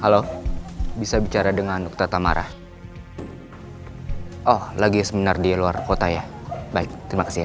halo bisa bicara dengan udhata mara oh lagi sebenarnya luar kota ya baik terima kasih ya